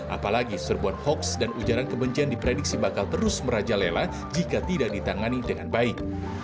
apalagi serbuan hoaks dan ujaran kebencian diprediksi bakal terus merajalela jika tidak ditangani dengan baik